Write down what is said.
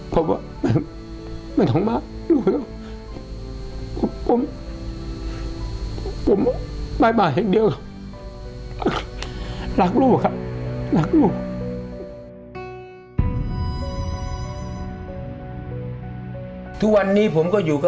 เพราะว่า